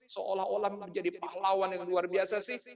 seolah olah menjadi pahlawan yang luar biasa sih